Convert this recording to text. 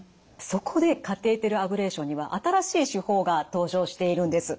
そこでカテーテルアブレーションには新しい手法が登場しているんです。